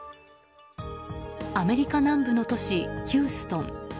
アメリカ南部の都市ヒューストン。